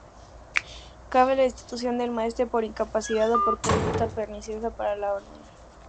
Cabe la destitución del maestre por incapacidad o por conducta perniciosa para la orden.